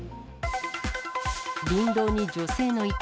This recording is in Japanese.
林道に女性の遺体。